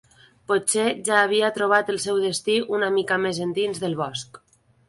Potser ja havia trobat el seu destí una mica més endins del bosc.